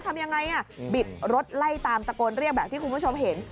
ทำยังไงบิดรถไล่ตามตะโกนเรียกแบบที่คุณผู้ชมเห็น